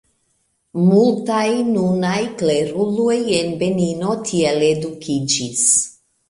Multaj nunaj kleruloj en Benino tiel edukiĝis.